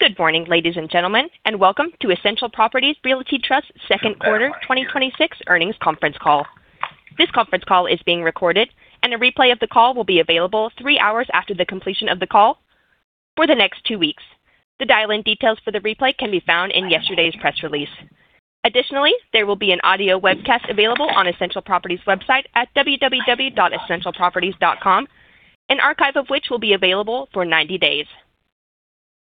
Good morning, ladies and gentlemen, and welcome to Essential Properties Realty Trust second quarter 2026 earnings conference call. This conference call is being recorded. A replay of the call will be available three hours after the completion of the call for the next two weeks. The dial-in details for the replay can be found in yesterday's press release. Additionally, there will be an audio webcast available on Essential Properties website at www.essentialproperties.com, an archive of which will be available for 90 days.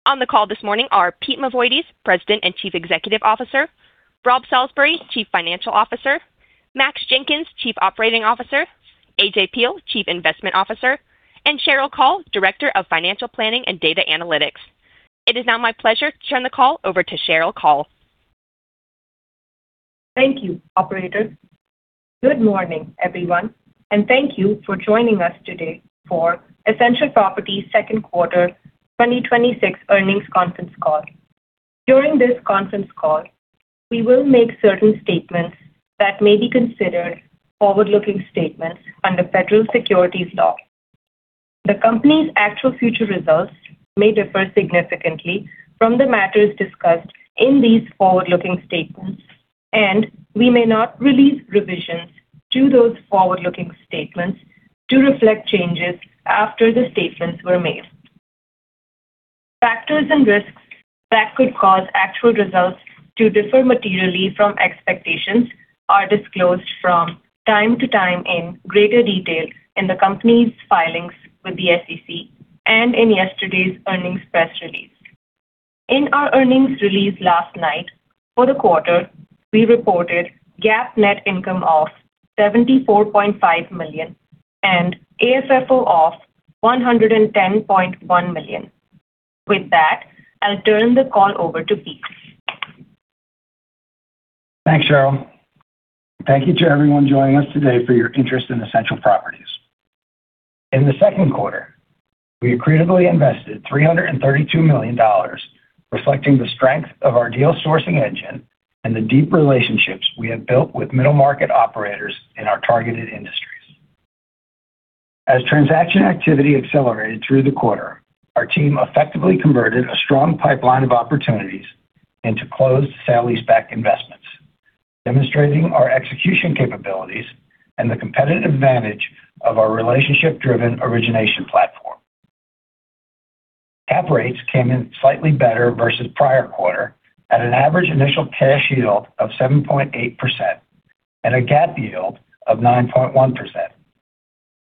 On the call this morning are Peter Mavoides, President and Chief Executive Officer, Rob Salisbury, Chief Financial Officer, Max Jenkins, Chief Operating Officer, AJ Peil, Chief Investment Officer, and Sheryl Kaul, Director of Financial Planning and Data Analytics. It is now my pleasure to turn the call over to Sheryl Kaul. Thank you, operator. Good morning, everyone, and thank you for joining us today for Essential Properties second quarter 2026 earnings conference call. During this conference call, we will make certain statements that may be considered forward-looking statements under federal securities law. The company's actual future results may differ significantly from the matters discussed in these forward-looking statements. We may not release revisions to those forward-looking statements to reflect changes after the statements were made. Factors and risks that could cause actual results to differ materially from expectations are disclosed from time to time in greater detail in the company's filings with the SEC and in yesterday's earnings press release. In our earnings release last night, for the quarter, we reported GAAP net income of $74.5 million and AFFO of $110.1 million. With that, I'll turn the call over to Peter. Thanks, Sheryl. Thank you to everyone joining us today for your interest in Essential Properties. In the second quarter, we accretively invested $332 million, reflecting the strength of our deal sourcing engine and the deep relationships we have built with middle-market operators in our targeted industries. As transaction activity accelerated through the quarter, our team effectively converted a strong pipeline of opportunities into closed sale-leaseback investments, demonstrating our execution capabilities and the competitive advantage of our relationship-driven origination platform. Cap rates came in slightly better versus prior quarter at an average initial cash yield of 7.8% and a GAAP yield of 9.1%,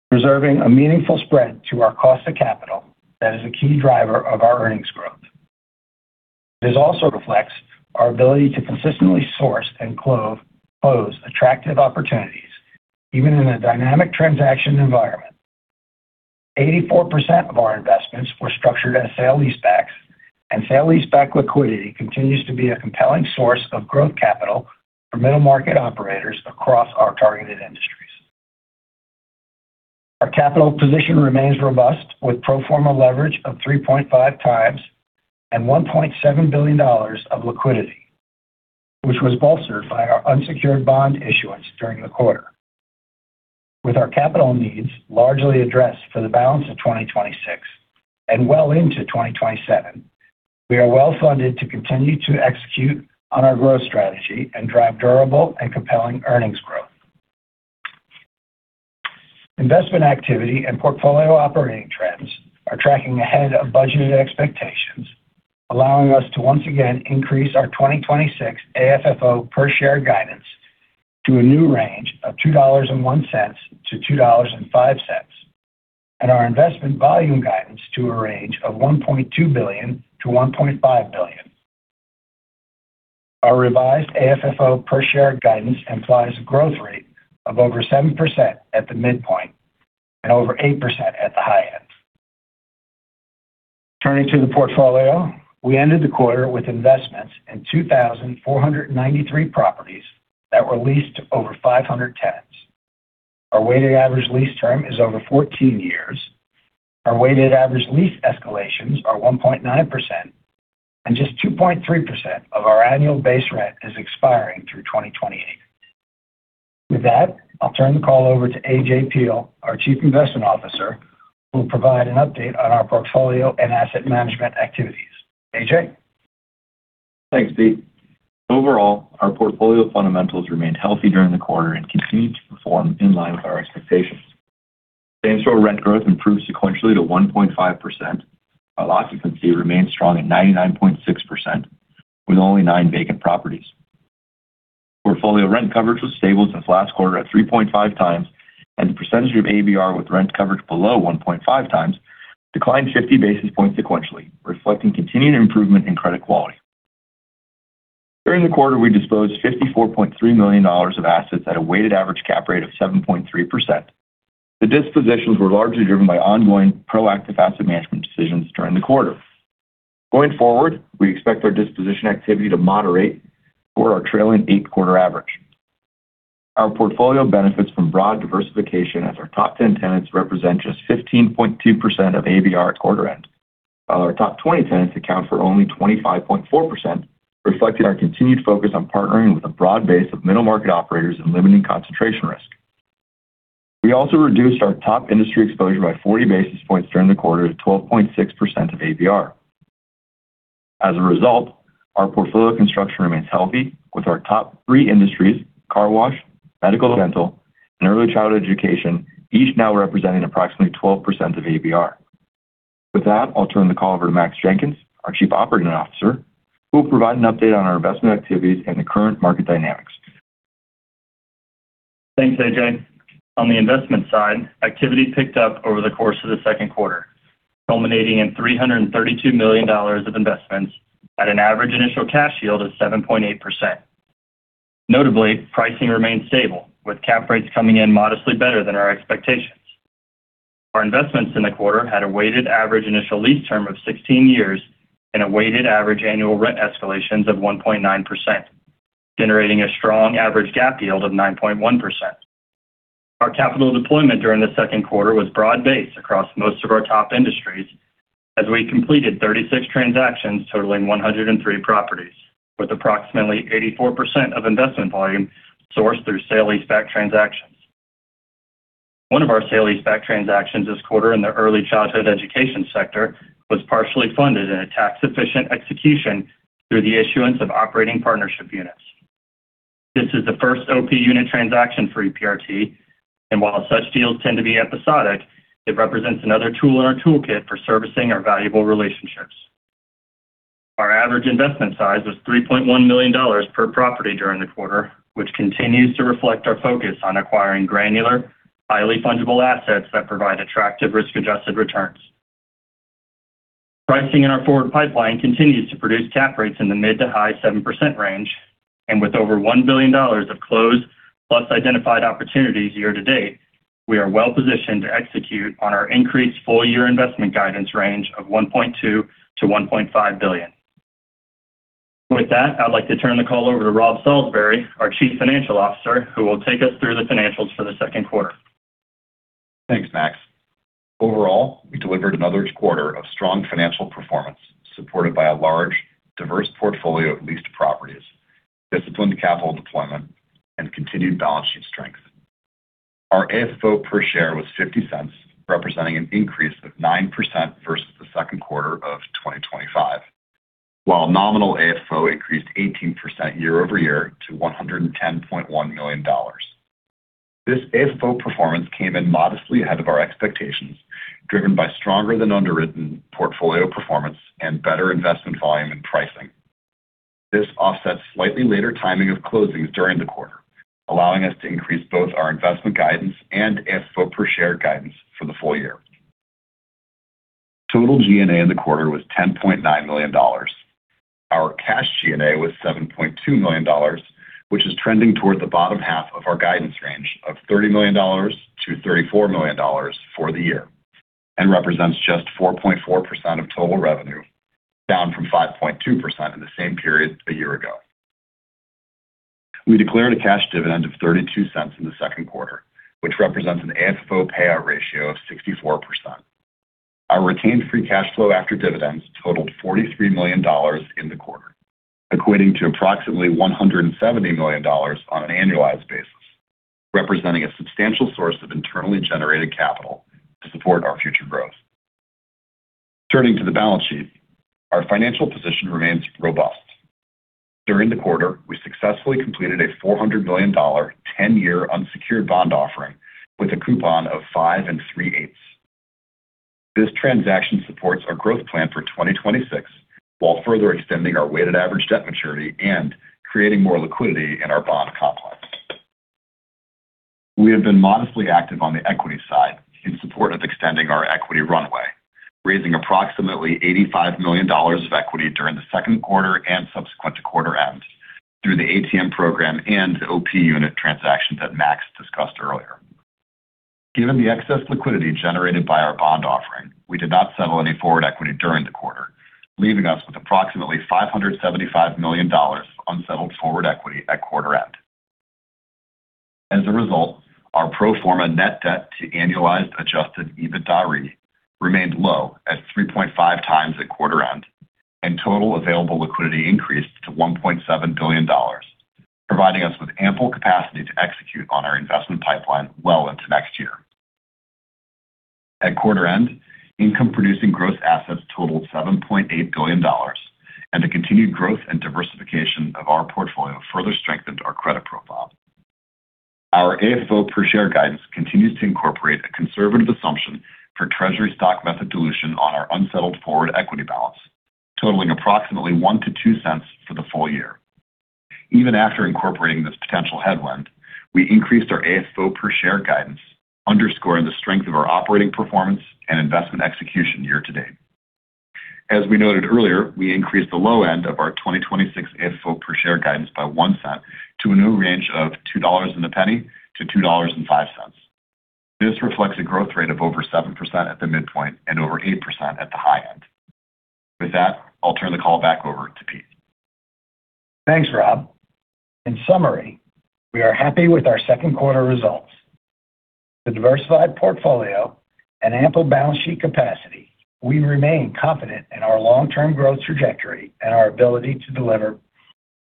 preserving a meaningful spread to our cost of capital that is a key driver of our earnings growth. This also reflects our ability to consistently source and close attractive opportunities, even in a dynamic transaction environment. 84% of our investments were structured as sale-leasebacks. Sale-leaseback liquidity continues to be a compelling source of growth capital for middle-market operators across our targeted industries. Our capital position remains robust with pro forma leverage of 3.5x and $1.7 billion of liquidity, which was bolstered by our unsecured bond issuance during the quarter. With our capital needs largely addressed for the balance of 2026 and well into 2027, we are well funded to continue to execute on our growth strategy and drive durable and compelling earnings growth. Investment activity and portfolio operating trends are tracking ahead of budgeted expectations, allowing us to once again increase our 2026 AFFO per share guidance to a new range of $2.01-$2.05, and our investment volume guidance to a range of $1.2 billion-$1.5 billion. Our revised AFFO per share guidance implies a growth rate of over 7% at the midpoint and over 8% at the high end. Turning to the portfolio, we ended the quarter with investments in 2,493 properties that were leased to over 500 tenants. Our weighted average lease term is over 14 years. Our weighted average lease escalations are 1.9%, and just 2.3% of our annual base rent is expiring through 2028. With that, I'll turn the call over to AJ Peil, our Chief Investment Officer, who will provide an update on our portfolio and asset management activities. AJ. Thanks, Peter. Overall, our portfolio fundamentals remained healthy during the quarter and continued to perform in line with our expectations. Same story, rent growth improved sequentially to 1.5%, while occupancy remained strong at 99.6%, with only nine vacant properties. Portfolio rent coverage was stable since last quarter at 3.5x, and the percentage of ABR with rent coverage below 1.5x declined 50 basis points sequentially, reflecting continued improvement in credit quality. During the quarter, we disposed $54.3 million of assets at a weighted average cap rate of 7.3%. The dispositions were largely driven by ongoing proactive asset management decisions during the quarter. Going forward, we expect our disposition activity to moderate for our trailing eight-quarter average. Our portfolio benefits from broad diversification as our top ten tenants represent just 15.2% of ABR at quarter end, while our top 20 tenants account for only 25.4%, reflecting our continued focus on partnering with a broad base of middle-market operators and limiting concentration risk. We also reduced our top industry exposure by 40 basis points during the quarter to 12.6% of ABR. As a result, our portfolio construction remains healthy with our top three industries, car wash, medical dental, and early childhood education, each now representing approximately 12% of ABR. With that, I'll turn the call over to Max Jenkins, our Chief Operating Officer, who will provide an update on our investment activities and the current market dynamics. Thanks, AJ. On the investment side, activity picked up over the course of the second quarter, culminating in $332 million of investments at an average initial cash yield of 7.8%. Notably, pricing remained stable, with cap rates coming in modestly better than our expectations. Our investments in the quarter had a weighted average initial lease term of 16 years and a weighted average annual rent escalations of 1.9%, generating a strong average GAAP yield of 9.1%. Our capital deployment during the second quarter was broad-based across most of our top industries as we completed 36 transactions totaling 103 properties, with approximately 84% of investment volume sourced through sale-leaseback transactions. One of our sale-leaseback transactions this quarter in the early childhood education sector was partially funded in a tax-efficient execution through the issuance of operating partnership units. This is the first OP unit transaction for EPRT, and while such deals tend to be episodic, it represents another tool in our toolkit for servicing our valuable relationships. Our average investment size was $3.1 million per property during the quarter, which continues to reflect our focus on acquiring granular, highly fungible assets that provide attractive risk-adjusted returns. Pricing in our forward pipeline continues to produce cap rates in the mid to high 7% range, and with over $1 billion of closed plus identified opportunities year-to-date, we are well positioned to execute on our increased full year investment guidance range of $1.2 billion-$1.5 billion. With that, I'd like to turn the call over to Rob Salisbury, our Chief Financial Officer, who will take us through the financials for the second quarter. Thanks, Max. Overall, we delivered another quarter of strong financial performance supported by a large, diverse portfolio of leased properties, disciplined capital deployment, and continued balance sheet strength. Our AFFO per share was $0.50, representing an increase of 9% versus the second quarter of 2025. While nominal AFFO increased 18% year-over-year to $110.1 million. This AFFO performance came in modestly ahead of our expectations, driven by stronger than underwritten portfolio performance and better investment volume and pricing. This offsets slightly later timing of closings during the quarter, allowing us to increase both our investment guidance and AFFO per share guidance for the full year. Total G&A in the quarter was $10.9 million. Our cash G&A was $7.2 million, which is trending toward the bottom half of our guidance range of $30 million-$34 million for the year, and represents just 4.4% of total revenue, down from 5.2% in the same period a year-ago. We declared a cash dividend of $0.32 in the second quarter, which represents an AFFO payout ratio of 64%. Our retained free cash flow after dividends totaled $43 million in the quarter, equating to approximately $170 million on an annualized basis, representing a substantial source of internally generated capital to support our future growth. Turning to the balance sheet, our financial position remains robust. During the quarter, we successfully completed a $400 million 10-year unsecured bond offering with a coupon of five and three-eighths. This transaction supports our growth plan for 2026 while further extending our weighted average debt maturity and creating more liquidity in our bond complex. We have been modestly active on the equity side in support of extending our equity runway, raising approximately $85 million of equity during the second quarter and subsequent to quarter end through the ATM program and the OP unit transactions that Max discussed earlier. Given the excess liquidity generated by our bond offering, we did not settle any forward equity during the quarter, leaving us with approximately $575 million unsettled forward equity at quarter end. As a result, our pro forma net debt to annualized adjusted EBITDAre remained low at 3.5x at quarter end, and total available liquidity increased to $1.7 billion, providing us with ample capacity to execute on our investment pipeline well into next year. At quarter end, income-producing gross assets totaled $7.8 billion, and the continued growth and diversification of our portfolio further strengthened our credit profile. Our AFFO per share guidance continues to incorporate a conservative assumption for treasury stock method dilution on our unsettled forward equity balance, totaling approximately $0.01-$0.02 for the full year. Even after incorporating this potential headwind, we increased our AFFO per share guidance, underscoring the strength of our operating performance and investment execution year-to-date. As we noted earlier, we increased the low end of our 2026 AFFO per share guidance by $0.01 to a new range of $2.01-$2.05. This reflects a growth rate of over 7% at the midpoint and over 8% at the high end. With that, I'll turn the call back over to Peter. Thanks, Rob. In summary, we are happy with our second quarter results. The diversified portfolio and ample balance sheet capacity, we remain confident in our long-term growth trajectory and our ability to deliver.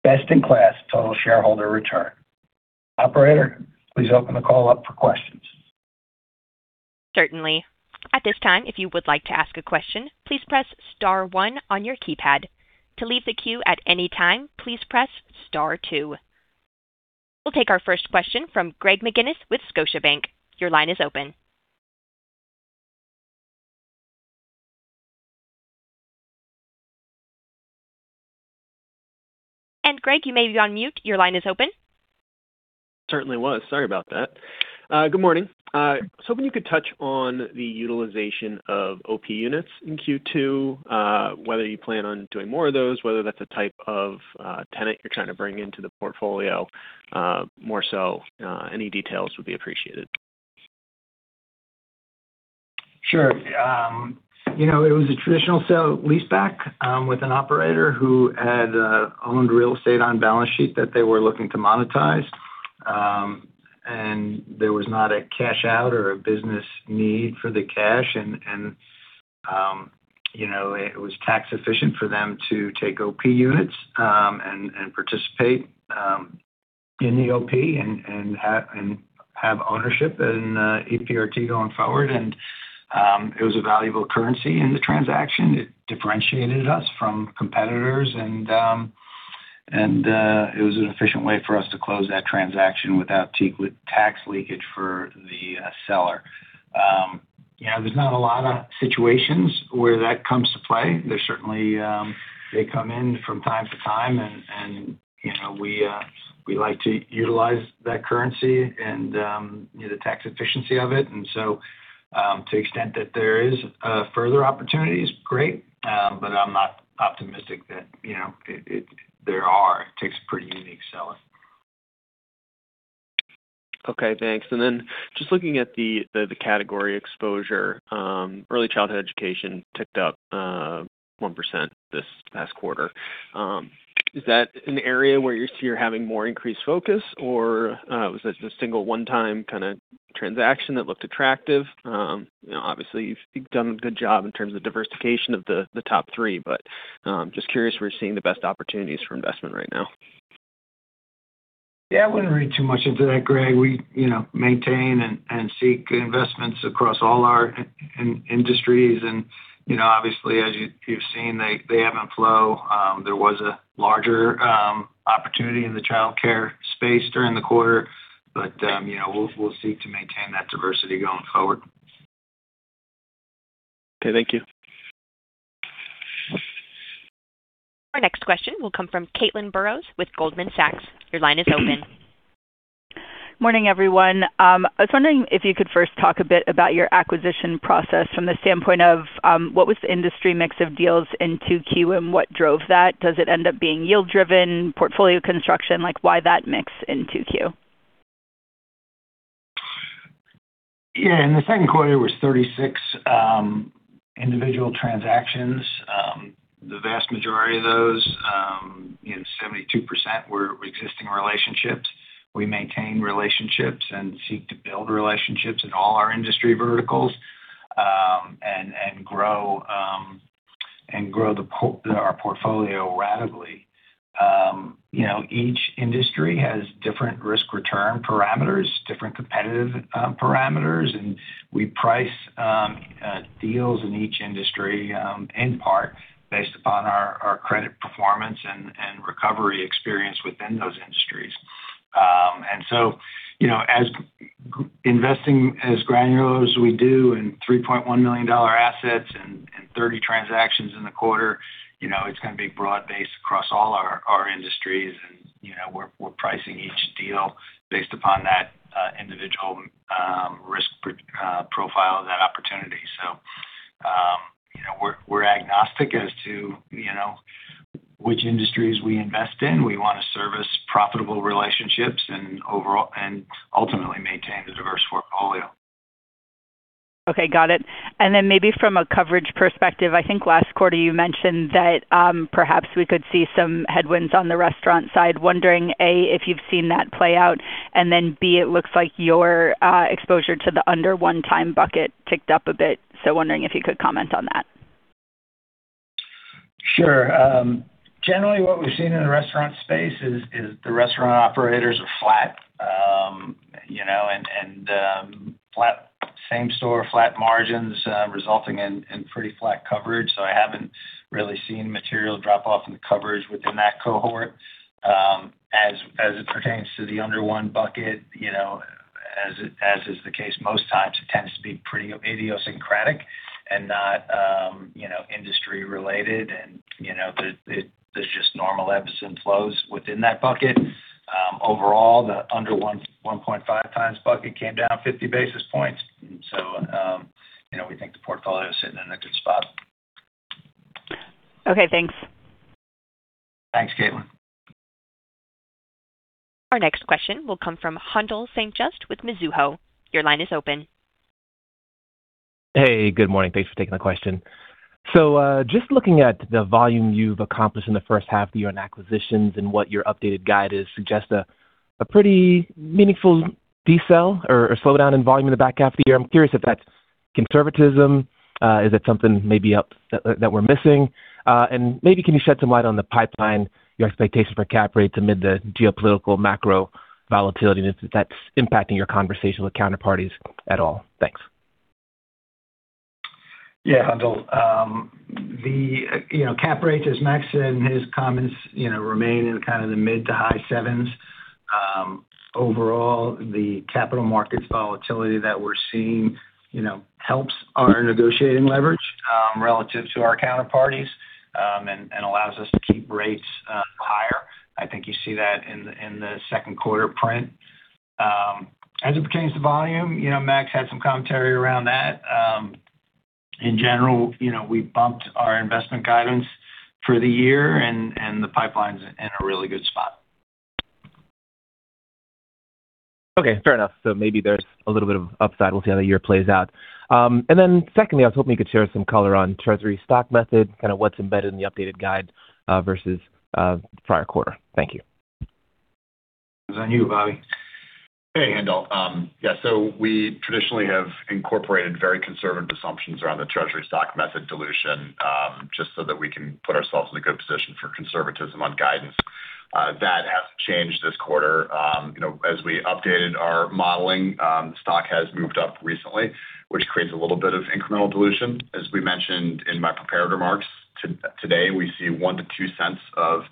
Best in class total shareholder return. Operator, please open the call up for questions. Certainly. At this time, if you would like to ask a question, please press star one on your keypad. To leave the queue at any time, please press star two. We'll take our first question from Greg McGinniss with Scotiabank. Your line is open. Greg, you may be on mute. Your line is open. Certainly was. Sorry about that. Good morning. I was hoping you could touch on the utilization of OP units in Q2, whether you plan on doing more of those, whether that's a type of tenant you're trying to bring into the portfolio more so. Any details would be appreciated. Sure. It was a traditional sale-leaseback with an operator who had owned real estate on balance sheet that they were looking to monetize. There was not a cash out or a business need for the cash. It was tax efficient for them to take OP units and participate in the OP and have ownership in EPRT going forward. It was a valuable currency in the transaction. It differentiated us from competitors, and it was an efficient way for us to close that transaction without tax leakage for the seller. There's not a lot of situations where that comes to play. They come in from time to time, and we like to utilize that currency and the tax efficiency of it. To the extent that there is further opportunities, great. I'm not optimistic that there are. It takes a pretty unique seller. Okay, thanks. Just looking at the category exposure, early childhood education ticked up 1% this past quarter. Is that an area where you're having more increased focus, or was this a single one-time kind of transaction that looked attractive? Obviously, you've done a good job in terms of diversification of the top three. Just curious where you're seeing the best opportunities for investment right now. Yeah, I wouldn't read too much into that, Greg McGinniss. We maintain and seek investments across all our industries. Obviously, as you've seen, they ebb and flow. There was a larger opportunity in the childcare space during the quarter. We'll seek to maintain that diversity going forward. Okay, thank you. Our next question will come from Caitlin Burrows with Goldman Sachs. Your line is open. Morning, everyone. I was wondering if you could first talk a bit about your acquisition process from the standpoint of what was the industry mix of deals in 2Q and what drove that. Does it end up being yield driven, portfolio construction, why that mix in 2Q? In the second quarter it was 36 individual transactions. The vast majority of those, 72%, were existing relationships. We maintain relationships and seek to build relationships in all our industry verticals and grow our portfolio radically. Each industry has different risk-return parameters, different competitive parameters, and we price deals in each industry in part based upon our credit performance and recovery experience within those industries. Investing as granular as we do in $3.1 million assets and 30 transactions in the quarter, it's going to be broad-based across all our industries, and we're pricing each deal based upon that individual risk profile of that opportunity. We're agnostic as to which industries we invest in. We want to service profitable relationships and ultimately maintain the diverse portfolio. Okay, got it. Then maybe from a coverage perspective, I think last quarter you mentioned that perhaps we could see some headwinds on the restaurant side. Wondering, A, if you've seen that play out, B, it looks like your exposure to the under one time bucket ticked up a bit, wondering if you could comment on that. Sure. Generally what we've seen in the restaurant space is the restaurant operators are flat. Same-store flat margins resulting in pretty flat coverage. I haven't really seen material drop-off in the coverage within that cohort. As it pertains to the under 1 bucket, as is the case most times, it tends to be pretty idiosyncratic and not industry related. There's just normal ebbs and flows within that bucket. Overall, the under 1.5x bucket came down 50 basis points. We think the portfolio is sitting in a good spot. Okay, thanks. Thanks, Caitlin. Our next question will come from Haendel St. Juste with Mizuho. Your line is open. Hey, good morning. Thanks for taking the question. Just looking at the volume you've accomplished in the first half of the year on acquisitions and what your updated guide is suggests a pretty meaningful decel or slowdown in volume in the back half of the year. I'm curious if that's conservatism. Is it something maybe that we're missing? Maybe can you shed some light on the pipeline, your expectations for cap rates amid the geopolitical macro volatility, and if that's impacting your conversation with counterparties at all. Thanks. Yeah, Haendel. The cap rates, as Max said in his comments, remain in kind of the mid to high sevens. Overall, the capital markets volatility that we're seeing helps our negotiating leverage relative to our counterparties and allows us to keep rates higher. I think you see that in the second quarter print. As it pertains to volume, Max had some commentary around that. In general, we've bumped our investment guidance for the year. The pipeline's in a really good spot. Okay. Fair enough. Maybe there's a little bit of upside. We'll see how the year plays out. Then secondly, I was hoping you could share some color on treasury stock method, kind of what's embedded in the updated guide versus prior quarter. Thank you. It's on you, Robby. Hey, Haendel. We traditionally have incorporated very conservative assumptions around the treasury stock method dilution, just so that we can put ourselves in a good position for conservatism on guidance. That hasn't changed this quarter. As we updated our modeling, the stock has moved up recently, which creates a little bit of incremental dilution. As we mentioned in my prepared remarks today, we see $0.01-$0.02 of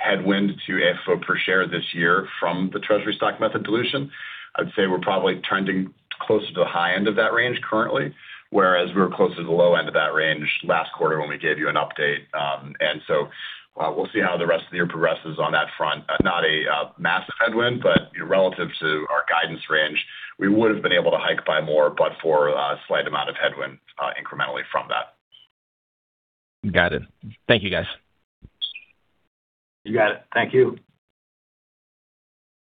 headwind to AFFO per share this year from the treasury stock method dilution. I'd say we're probably trending closer to the high end of that range currently, whereas we were closer to the low end of that range last quarter when we gave you an update. We'll see how the rest of the year progresses on that front. Not a massive headwind, relative to our guidance range, we would've been able to hike by more, but for a slight amount of headwind incrementally from that. Got it. Thank you, guys. You got it. Thank you.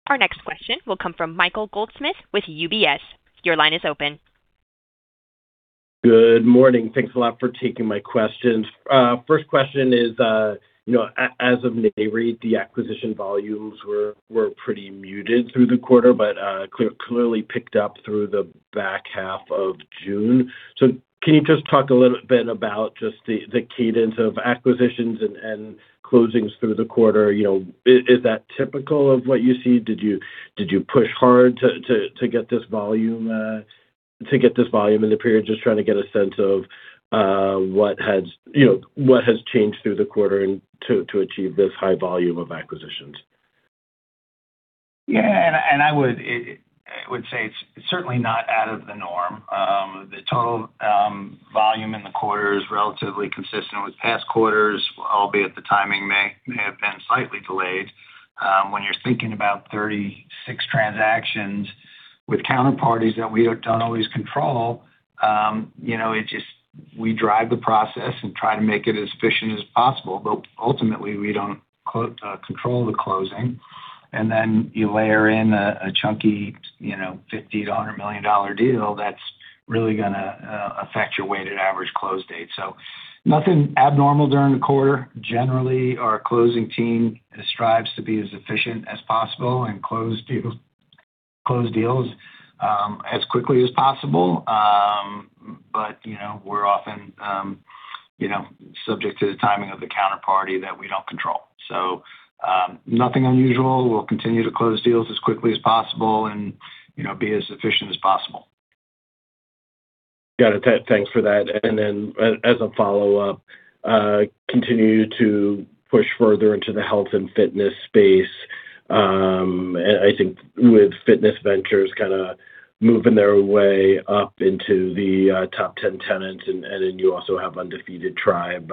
Our next question will come from Michael Goldsmith with UBS. Your line is open. Good morning. Thanks a lot for taking my questions. First question is, as of [Nareit], the acquisition volumes were pretty muted through the quarter but clearly picked up through the back half of June. Can you just talk a little bit about just the cadence of acquisitions and closings through the quarter? Is that typical of what you see? Did you push hard to get this volume in the period? Just trying to get a sense of what has changed through the quarter and to achieve this high volume of acquisitions. Yeah. I would say it's certainly not out of the norm. The total volume in the quarter is relatively consistent with past quarters, albeit the timing may have been slightly delayed. When you're thinking about 36 transactions with counterparties that we don't always control, we drive the process and try to make it as efficient as possible, but ultimately, we don't control the closing. Then you layer in a chunky, $50 million deal, that's really going to affect your weighted average close date. Nothing abnormal during the quarter. Generally, our closing team strives to be as efficient as possible and close deals as quickly as possible. We're often subject to the timing of the counterparty that we don't control. Nothing unusual. We'll continue to close deals as quickly as possible and be as efficient as possible. Got it. Thanks for that. As a follow-up, continue to push further into the health and fitness space. I think with Fitness Ventures kind of moving their way up into the top 10 tenants, you also have Undefeated Tribe,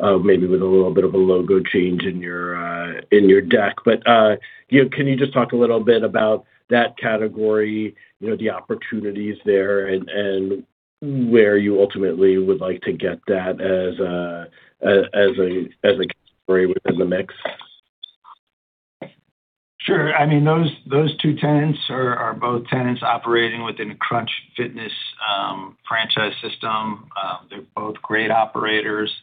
maybe with a little bit of a logo change in your deck. Can you just talk a little bit about that category, the opportunities there, and where you ultimately would like to get that as a category within the mix? Sure. Those two tenants are both tenants operating within Crunch Fitness franchise system. They're both great operators.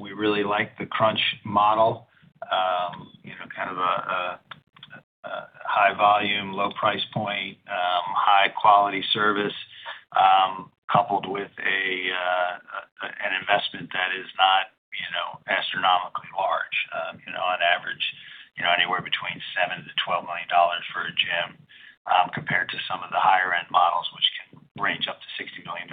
We really like the Crunch model. Kind of a high volume, low price point, high-quality service, coupled with an investment that is not astronomically large. On average, anywhere between $7 million-$12 million for a gym, compared to some of the higher-end models, which can range up to $60 million.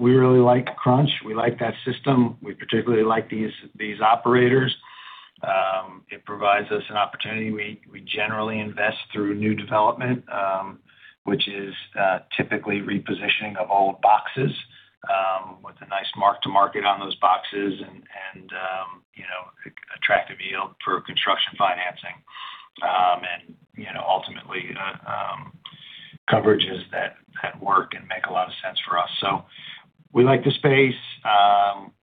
We really like Crunch. We like that system. We particularly like these operators. It provides us an opportunity. We generally invest through new development, which is typically repositioning of old boxes, with a nice mark to market on those boxes and attractive yield for construction financing. Ultimately, coverages that work and make a lot of sense for us. We like the space.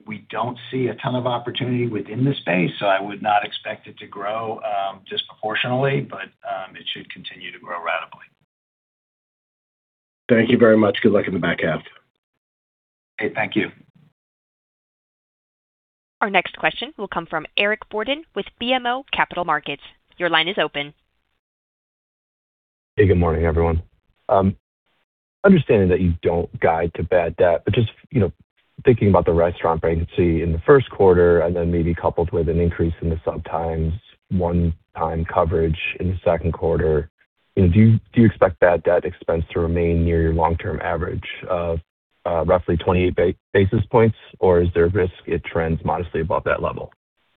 We don't see a ton of opportunity within the space, I would not expect it to grow disproportionately, it should continue to grow radically. Thank you very much. Good luck in the back half. Okay. Thank you. Our next question will come from Eric Borden with BMO Capital Markets. Your line is open. Hey, good morning, everyone. Understanding that you don't guide to bad debt, but just thinking about the restaurant vacancy in the first quarter and then maybe coupled with an increase in the sometimes one-time coverage in the second quarter, do you expect bad debt expense to remain near your long-term average of roughly 28 basis points, or is there a risk it trends modestly above that level?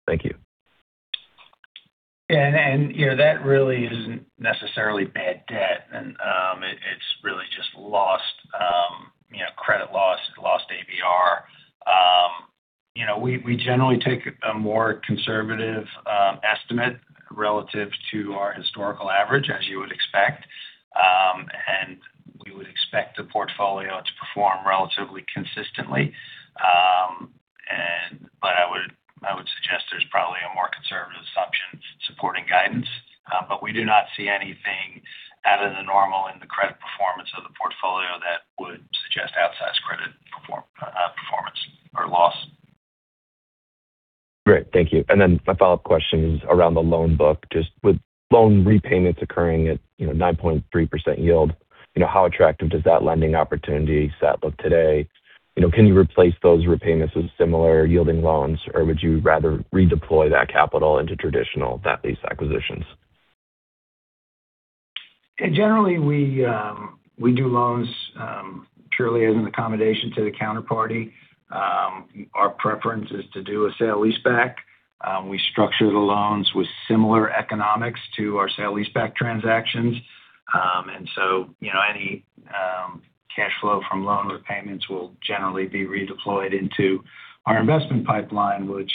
Thank you. Yeah. That really isn't necessarily bad debt. It's really just credit loss, lost ABR. We generally take a more conservative estimate relative to our historical average, as you would expect. We would expect the portfolio to perform relatively consistently. I would suggest there's probably a more conservative assumption supporting guidance. We do not see anything out of the normal in the credit performance of the portfolio that would suggest outsized credit performance or loss. Great. Thank you. My follow-up question is around the loan book. Just with loan repayments occurring at 9.3% yield, how attractive does that lending opportunity set look today? Can you replace those repayments with similar yielding loans, or would you rather redeploy that capital into traditional net-lease acquisitions? Generally, we do loans purely as an accommodation to the counterparty. Our preference is to do a sale-leaseback. We structure the loans with similar economics to our sale-leaseback transactions. Any cash flow from loan repayments will generally be redeployed into our investment pipeline, which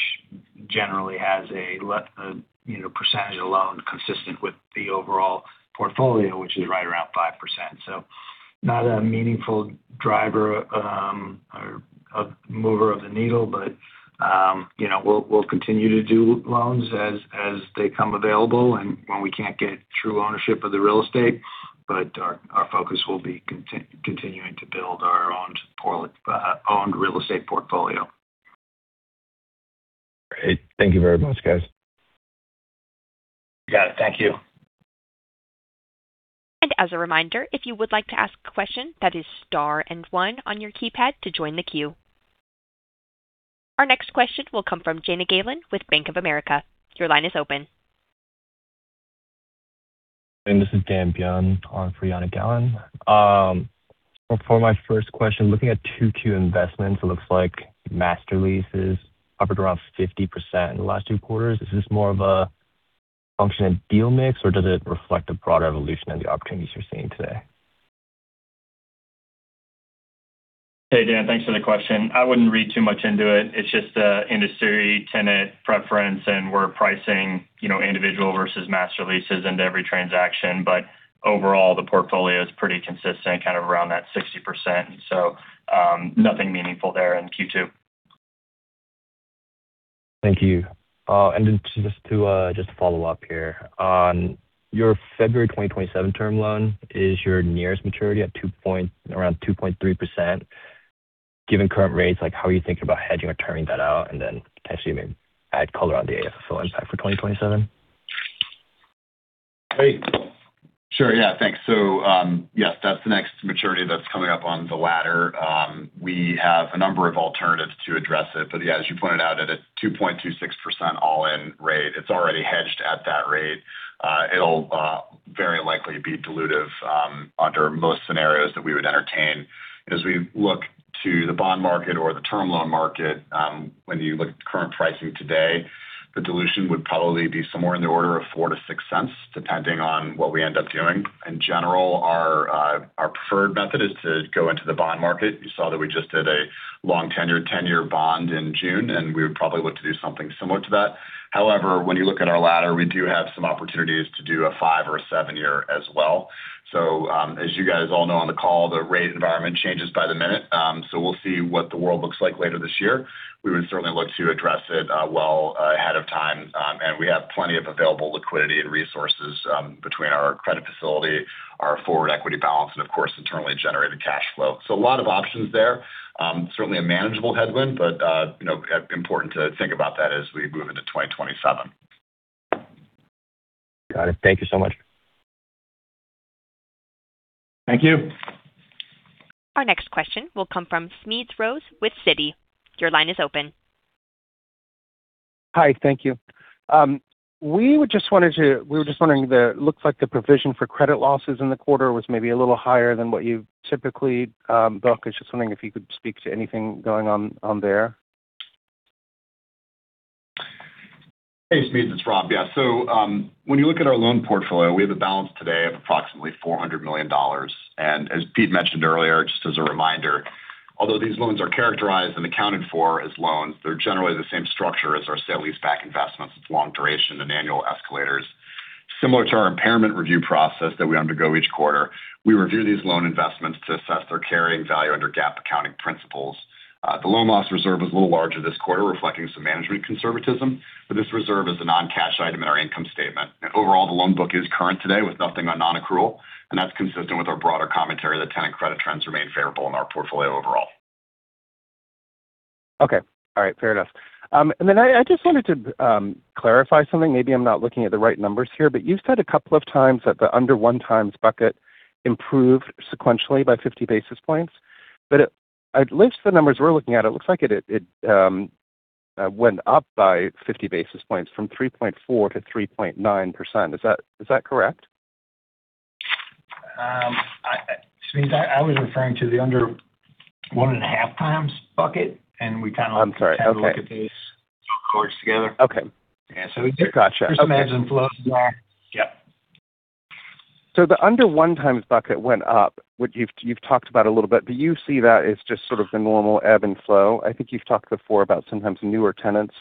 generally has a percentage of loan consistent with the overall portfolio, which is right around 5%. Not a meaningful driver or a mover of the needle, but we'll continue to do loans as they come available and when we can't get true ownership of the real estate. Our focus will be continuing to build our owned real estate portfolio. Great. Thank you very much, guys. You got it. Thank you. As a reminder, if you would like to ask a question, that is star one on your keypad to join the queue. Our next question will come from Jana Galan with Bank of America. Your line is open. This is Dan Byun on for Jana Galan. For my first question, looking at 2Q investments, it looks like master leases hovered around 50% in the last two quarters. Is this more of a function of deal mix, or does it reflect a broader evolution of the opportunities you're seeing today? Hey, Dan. Thanks for the question. I wouldn't read too much into it. It's just a industry tenant preference, we're pricing individual versus master leases into every transaction. Overall, the portfolio is pretty consistent, kind of around that 60%. Nothing meaningful there in Q2. Thank you. Just to follow up here. On your February 2027 term loan, is your nearest maturity at around 2.3%? Given current rates, how are you thinking about hedging or terming that out? Potentially maybe add color on the AFFO impact for 2027. Great. Sure. Yeah. Thanks. Yes, that's the next maturity that's coming up on the ladder. We have a number of alternatives to address it. Yeah, as you pointed out, at a 2.26% all-in rate, it's already hedged at that rate. It'll very likely be dilutive under most scenarios that we would entertain. As we look to the bond market or the term loan market, when you look at current pricing today, the dilution would probably be somewhere in the order of $0.04-$0.06, depending on what we end up doing. In general, our preferred method is to go into the bond market. You saw that we just did a long-tenure, 10-year bond in June, and we would probably look to do something similar to that. When you look at our ladder, we do have some opportunities to do a five- or a seven-year as well. As you guys all know on the call, the rate environment changes by the minute. We'll see what the world looks like later this year. We would certainly look to address it well ahead of time, and we have plenty of available liquidity and resources between our credit facility, our forward equity balance, and of course, internally generated cash flow. A lot of options there. Certainly a manageable headwind, but important to think about that as we move into 2027. Got it. Thank you so much. Thank you. Our next question will come from Smedes Rose with Citi. Your line is open. Hi. Thank you. We were just wondering, it looks like the provision for credit losses in the quarter was maybe a little higher than what you typically book. I was just wondering if you could speak to anything going on there. Hey, Smeds. It's Rob. Yeah. When you look at our loan portfolio, we have a balance today of approximately $400 million. As Peter mentioned earlier, just as a reminder, although these loans are characterized and accounted for as loans, they're generally the same structure as our sale-leaseback investments with long duration and annual escalators. Similar to our impairment review process that we undergo each quarter, we review these loan investments to assess their carrying value under GAAP accounting principles. The loan loss reserve was a little larger this quarter, reflecting some management conservatism, this reserve is a non-cash item in our income statement. Overall, the loan book is current today with nothing on non-accrual, and that's consistent with our broader commentary that tenant credit trends remain favorable in our portfolio overall. Okay. All right. Fair enough. Then I just wanted to clarify something. Maybe I'm not looking at the right numbers here, you've said a couple of times that the under one times bucket improved sequentially by 50 basis points. At least the numbers we're looking at, it looks like it went up by 50 basis points from 3.4% to 3.9%. Is that correct? I was referring to the under one and a half times bucket, and we kind of I'm sorry. Okay We had a look at these cohorts together. Okay. Yeah. We did Got you. Okay There's some ebbs and flows there. Yep. The under 1 times bucket went up, you've talked about a little bit. Do you see that as just sort of the normal ebb and flow? I think you've talked before about sometimes newer tenants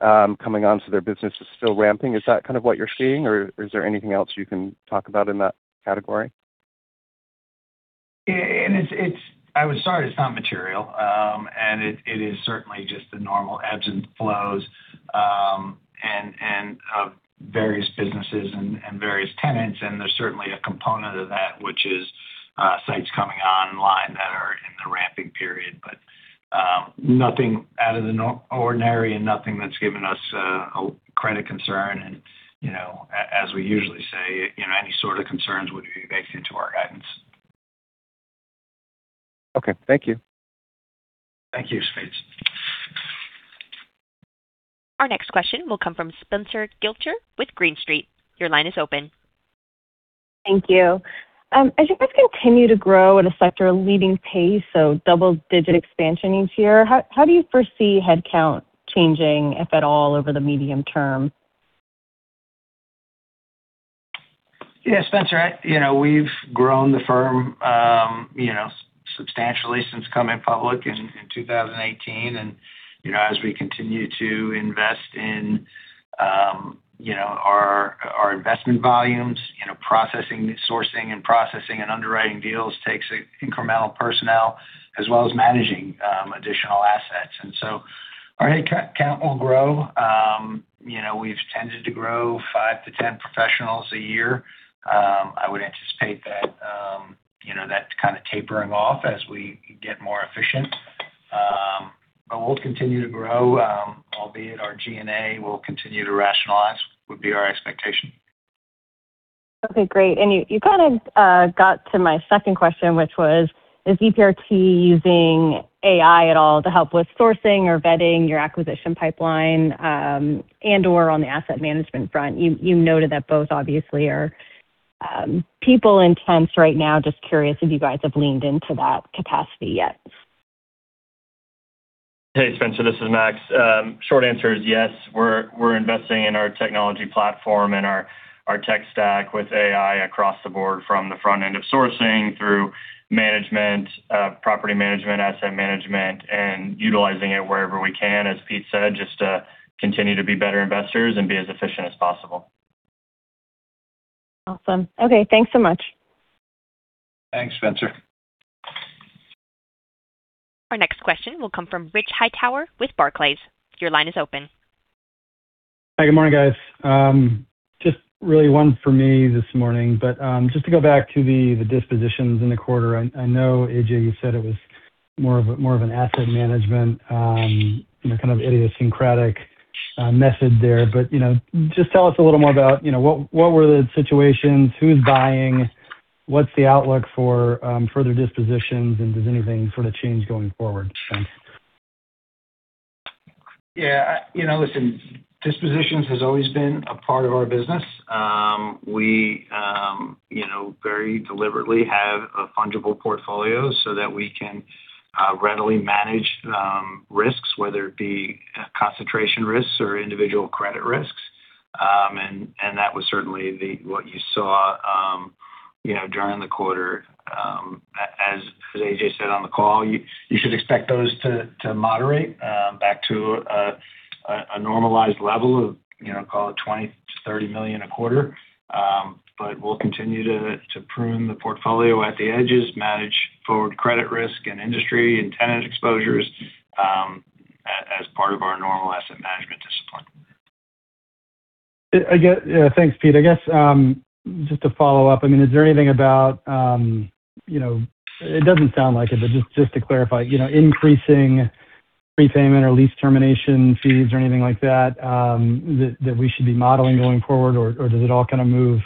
coming on, so their business is still ramping. Is that kind of what you're seeing, or is there anything else you can talk about in that category? I would start, it's not material. It is certainly just the normal ebbs and flows of various businesses and various tenants, and there's certainly a component of that, which is sites coming online that are in the ramping period. Nothing out of the ordinary and nothing that's given us a credit concern. As we usually say, any sort of concerns would be baked into our guidance. Okay. Thank you. Thank you, Smedes. Our next question will come from Spenser Glimcher with Green Street. Your line is open. Thank you. As you guys continue to grow at a sector-leading pace, so double-digit expansion each year, how do you foresee headcount changing, if at all, over the medium term? Yeah, Spenser, we've grown the firm substantially since coming public in 2018. As we continue to invest in our investment volumes, sourcing and processing and underwriting deals takes incremental personnel, as well as managing additional assets. Our headcount will grow. We've tended to grow 5 to 10 professionals a year. I would anticipate that kind of tapering off as we get more efficient. We'll continue to grow, albeit our G&A will continue to rationalize, would be our expectation. Okay, great. You kind of got to my second question, which was, is EPRT using AI at all to help with sourcing or vetting your acquisition pipeline, and/or on the asset management front? You noted that both obviously are people-intense right now. Just curious if you guys have leaned into that capacity yet. Hey, Spenser, this is Max. Short answer is yes. We're investing in our technology platform and our tech stack with AI across the board from the front end of sourcing through management, property management, asset management, utilizing it wherever we can, as Peter said, just to continue to be better investors and be as efficient as possible. Awesome. Okay, thanks so much. Thanks, Spenser. Our next question will come from Rich Hightower with Barclays. Your line is open. Hi, good morning, guys. Really one for me this morning, to go back to the dispositions in the quarter. I know, AJ, you said it was more of an asset management, kind of idiosyncratic method there. Just tell us a little more about what were the situations, who's buying, what's the outlook for further dispositions, and does anything sort of change going forward? Thanks. Yeah. Listen, dispositions has always been a part of our business. We very deliberately have a fungible portfolio so that we can readily manage risks, whether it be concentration risks or individual credit risks. That was certainly what you saw during the quarter. As AJ said on the call, you should expect those to moderate back to a normalized level of call it $20 million-$30 million a quarter. We'll continue to prune the portfolio at the edges, manage forward credit risk and industry and tenant exposures as part of our normal asset management discipline. Thanks, Peter. I guess just to follow up, is there anything about, it doesn't sound like it, but just to clarify, increasing prepayment or lease termination fees or anything like that that we should be modeling going forward, or does it all kind of move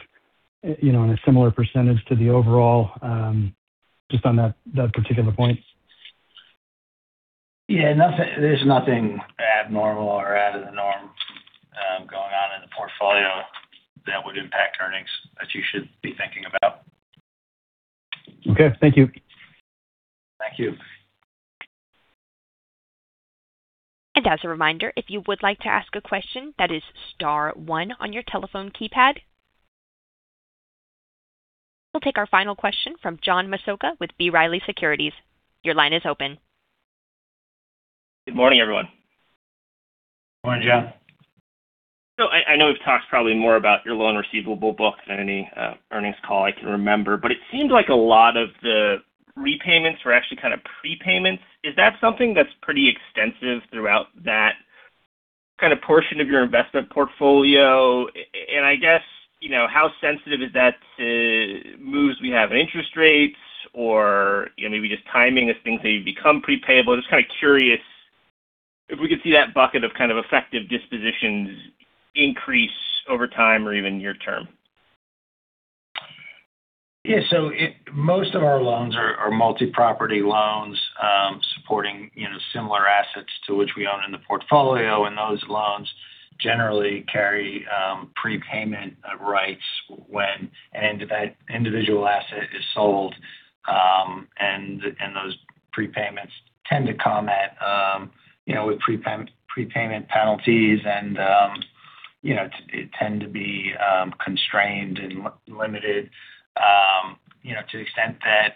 in a similar percentage to the overall, just on that particular point? Yeah. There's nothing abnormal or out of the norm going on in the portfolio that would impact earnings that you should be thinking about. Okay. Thank you. Thank you. As a reminder, if you would like to ask a question, that is star one on your telephone keypad. We'll take our final question from John Massocca with B. Riley Securities. Your line is open. Good morning, everyone. Morning, John. I know we've talked probably more about your loan receivable book than any earnings call I can remember, but it seemed like a lot of the repayments were actually kind of prepayments. Is that something that's pretty extensive throughout that kind of portion of your investment portfolio. I guess, how sensitive is that to moves we have in interest rates or maybe just timing as things maybe become pre-payable. Just kind of curious if we could see that bucket of kind of effective dispositions increase over time or even near-term. Most of our loans are multi-property loans supporting similar assets to which we own in the portfolio, those loans generally carry prepayment rights when an individual asset is sold. Those prepayments tend to come with prepayment penalties and tend to be constrained and limited to the extent that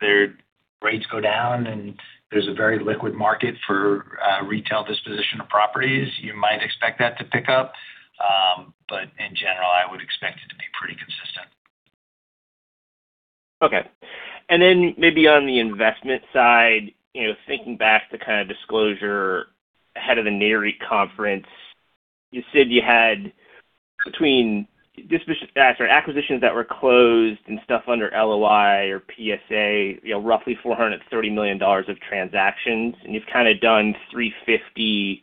their rates go down and there's a very liquid market for retail disposition of properties. You might expect that to pick up. In general, I would expect it to be pretty consistent. Maybe on the investment side, thinking back to kind of disclosure ahead of the Nareit conference, you said you had between acquisitions that were closed and stuff under LOI or PSA, roughly $430 million of transactions, you've kind of done 350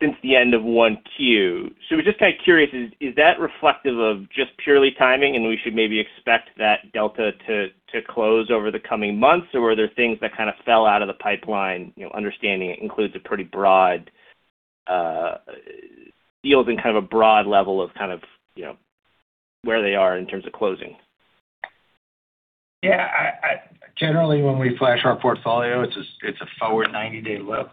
since the end of 1Q. We're just kind of curious, is that reflective of just purely timing, and we should maybe expect that delta to close over the coming months, or are there things that kind of fell out of the pipeline, understanding it includes a pretty broad deals and kind of a broad level of kind of where they are in terms of closing? Generally, when we flash our portfolio, it's a forward 90-day look,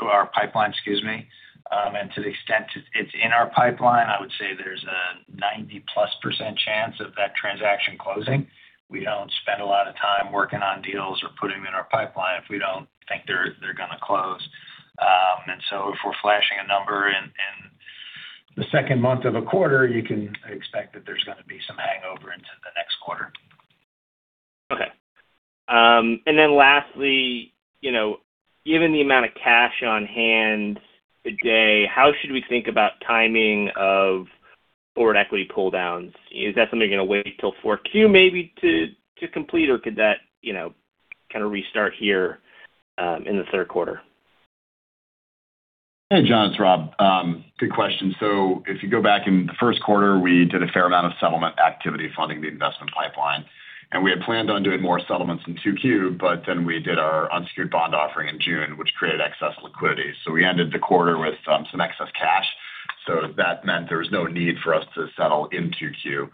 or our pipeline, excuse me. To the extent it's in our pipeline, I would say there's a 90+ percent chance of that transaction closing. We don't spend a lot of time working on deals or putting them in our pipeline if we don't think they're going to close. If we're flashing a number in the second month of a quarter, you can expect that there's going to be some hangover into the next quarter. Okay. Lastly, given the amount of cash on hand today, how should we think about timing of forward equity pull-downs? Is that something you're going to wait till 4Q maybe to complete, or could that kind of restart here in the third quarter? Hey, John, it's Rob. Good question. If you go back in the first quarter, we did a fair amount of settlement activity funding the investment pipeline. We had planned on doing more settlements in 2Q, we did our unsecured bond offering in June, which created excess liquidity. We ended the quarter with some excess cash. That meant there was no need for us to settle in 2Q.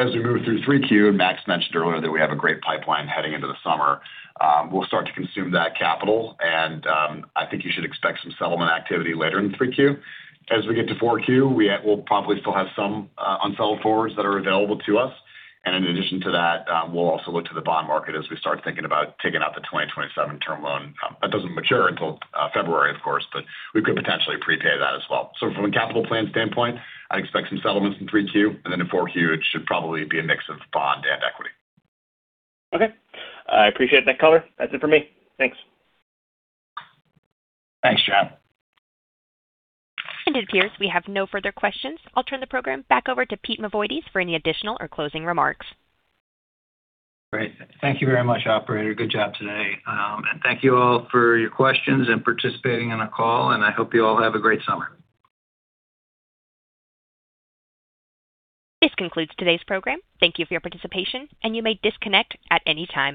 As we move through 3Q, Max mentioned earlier that we have a great pipeline heading into the summer. We'll start to consume that capital, I think you should expect some settlement activity later in 3Q. As we get to 4Q, we'll probably still have some unsettled forwards that are available to us. In addition to that, we'll also look to the bond market as we start thinking about taking out the 2027 term loan. That doesn't mature until February, of course, we could potentially prepay that as well. From a capital plan standpoint, I expect some settlements in 3Q, in 4Q, it should probably be a mix of bond and equity. Okay. I appreciate that color. That's it for me. Thanks. Thanks, John. It appears we have no further questions. I'll turn the program back over to Peter Mavoides for any additional or closing remarks. Great. Thank you very much, operator. Good job today. Thank you all for your questions and participating in our call, and I hope you all have a great summer. This concludes today's program. Thank you for your participation, and you may disconnect at any time.